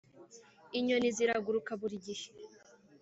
inyoni ziraguruka buri gihe